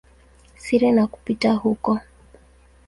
siri na kupita huko.